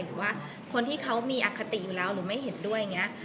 หรือว่าคนที่เขามีอคติอยู่แล้วหรือไม่เห็นด้วยอย่างนี้